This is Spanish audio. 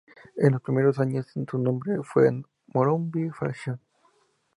En los primeros años su nombre fue Morumbi Fashion.